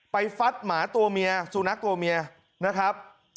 ไปฟัดหมาโตเมียสุนัขโตเมียนะครับ